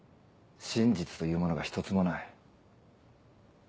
真実というものが一つもない。